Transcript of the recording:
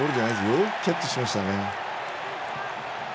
よくキャッチしましたね。